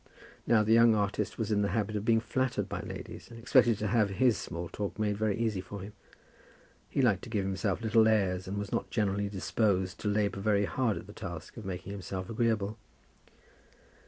Now the young artist was in the habit of being flattered by ladies, and expected to have his small talk made very easy for him. He liked to give himself little airs, and was not generally disposed to labour very hard at the task of making himself agreeable.